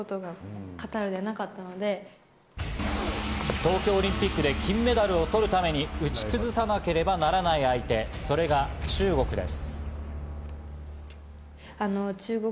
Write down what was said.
東京オリンピックで金メダルを取るために打ち崩さなければならない相手、それが中国です。